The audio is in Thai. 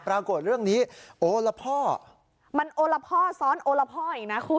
ปรากฏเรื่องนี้โอละพ่อมันโอละพ่อซ้อนโอละพ่ออีกนะคุณ